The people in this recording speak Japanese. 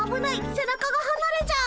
背中がはなれちゃう！